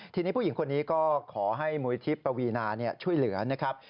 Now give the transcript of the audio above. ทีนี้ผู้หญิงคนนี้ก็ขอให้มูลิธิปวีนาช่วยเหลือนะครับ